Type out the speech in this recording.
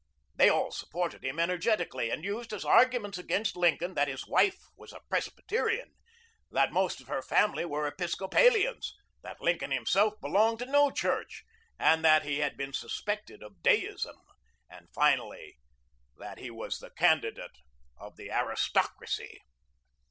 They all supported him energetically, and used as arguments against Lincoln that his wife was a Presbyterian, that most of her family were Episcopalians, that Lincoln himself belonged to no church, and that he had been suspected of deism, and, finally, that he was the candidate of the aristocracy.